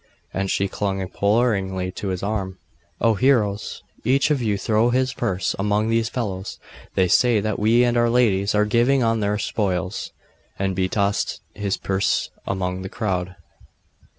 And she clung imploringly to his arm. 'Oh! Heroes! each of you throw his purse among these fellows! they say that we and our ladies are living on their spoils!' And he tossed his purse among the crowd.